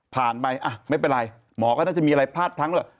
ผ่านไปไม่เป็นไรหมอก็น่าจะมีอะไรพลาดทั้งทั้งเลย